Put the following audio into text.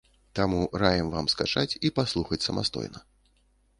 Таму раім вам скачаць і паслухаць самастойна.